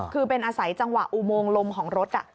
คือเป็นอาศัยจังหวะอุโมงลมของรถ